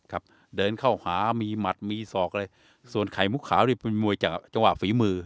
ครับเดินเข้าหามีหมัดมีศอกอะไรส่วนไข่มุกขาวนี่เป็นมวยจากจังหวะฝีมือ